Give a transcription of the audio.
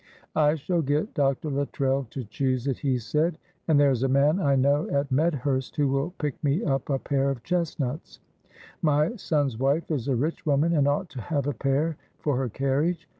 "I shall get Dr. Luttrell to choose it," he said; "and there is a man I know at Medhurst who will pick me up a pair of chestnuts. My son's wife is a rich woman, and ought to have a pair for her carriage.